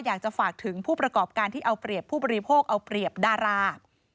อยากจะฝากถึงผู้ประกอบการที่เอาเปรียบผู้บริโภคเอาเปรียบดารา